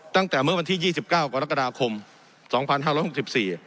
ตั้งแต่เมื่อวันที่ยี่สิบเก้ากรกฎาคมสองพันห้าร้อยหกสิบสี่